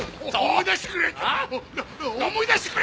思い出してくれ！